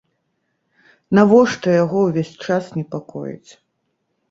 Навошта яго ўвесь час непакоіць?